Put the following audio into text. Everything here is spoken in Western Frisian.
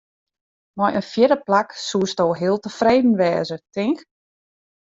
Mei in fjirde plak soesto heel tefreden wêze, tink?